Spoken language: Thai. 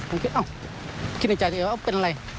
ผมคิดอ้าวคิดในใจเป็นอะไร